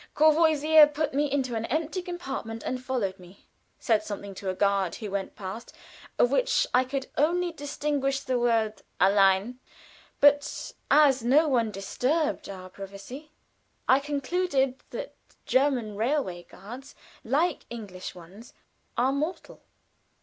Courvoisier put me into an empty compartment, and followed me, said something to a guard who went past, of which I could only distinguish the word allein; but as no one disturbed our privacy, I concluded that German railway guards, like English ones, are mortal.